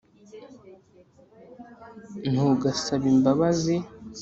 ntugasaba imbabazi